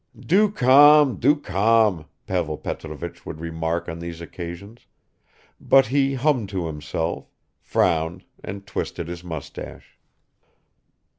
"Du calme, du calme," Pavel Petrovich would remark on these occasions, but he hummed to himself, frowned and twisted his mustache.